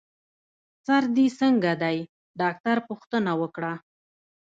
سر دي څنګه دی؟ ډاکټر پوښتنه وکړه.